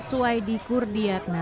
suai dikur diakna